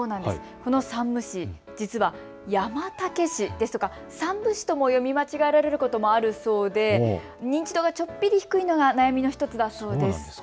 この山武市、実は、やまたけしですとか、さんぶしとも読み間違えられることもあるそうで認知度がちょっぴり低いのが悩みの１つだそうです。